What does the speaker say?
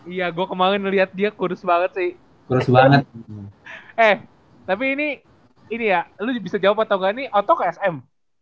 iya gua kemarin lihat dia kurus banget sih terus banget eh tapi ini ini ya lu bisa jawab atau enggak nih otok sm